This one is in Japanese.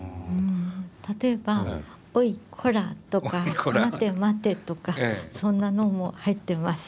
例えば「おいこら！」とか「待て待て！」とかそんなのも入ってます。